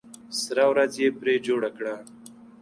سره ورځ یې پرې جوړه کړه.